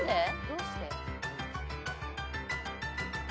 どうして？